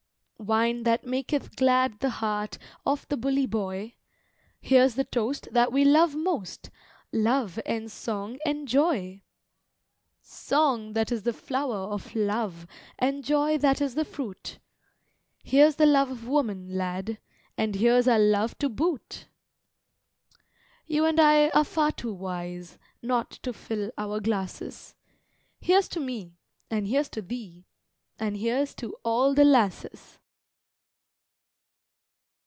Wine that maketh glad the heart Of the bully boy! Here's the toast that we love most, "Love and song and joy!" Song that is the flower of love, And joy that is the fruit! Here's the love of woman, lad, And here's our love to boot! You and I are far too wise Not to fill our glasses. Here's to me and here's to thee, And here's to all the lasses!